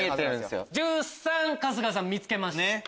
１３春日さん見つけました？